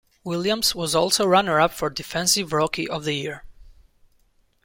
Williams was also runner-up for Defensive Rookie of the Year.